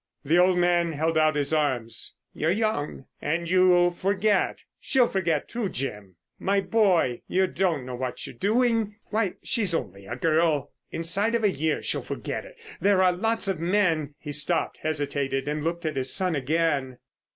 The old man held out his arms. "You're young and you'll forget. She'll forget, too, Jim. My boy, you don't know what you're doing. Why, she's only a girl. Inside of a year, she'll forget it. There are lots of men——" He stopped, hesitated, and looked at his son again.